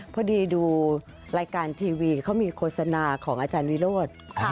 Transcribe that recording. พอดีดูรายการทีวีเขามีโฆษณาของอาจารย์วิโรธ